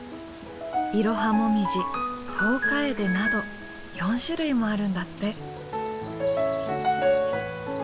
イロハモミジトウカエデなど４種類もあるんだって。